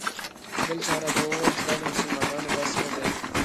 بل چا راته وویل چې دا د مسلمانانو بس نه دی.